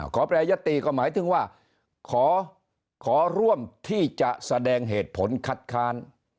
แปรยติก็หมายถึงว่าขอร่วมที่จะแสดงเหตุผลคัดค้าน